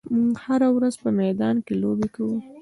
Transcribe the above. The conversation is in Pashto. موږ هره ورځ په میدان کې لوبې کوو.